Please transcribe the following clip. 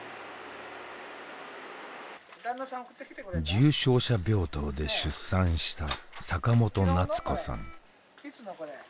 重症者病棟で出産した坂本なつ子さん。